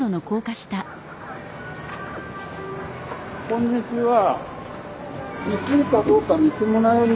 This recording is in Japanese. こんにちは。